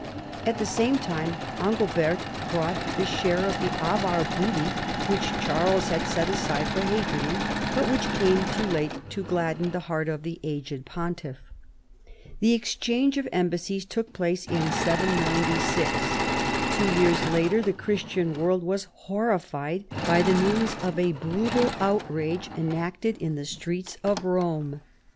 At the same time Angilbert brought the share of the Avar booty which Charles had set aside for Hadrian, bnt which came too late to gladden the heart of the aged pontiff. This exchange of embassies took place in 796. Two years later the Christian world was horrified by the news of a brutal outrage enacted in the streets of Home.